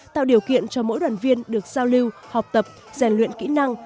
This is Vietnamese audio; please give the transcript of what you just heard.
tạo điều kiện cho mỗi đoàn viên được giao lưu học tập rèn luyện kỹ năng